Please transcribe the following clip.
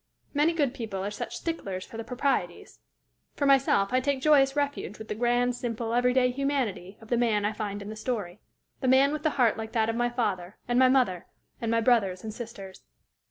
Many good people are such sticklers for the proprieties! For myself, I take joyous refuge with the grand, simple, every day humanity of the man I find in the story the man with the heart like that of my father and my mother and my brothers and sisters.